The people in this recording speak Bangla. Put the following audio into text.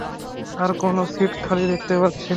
আর কোন সিট খালি দেখতে পাচ্ছি না।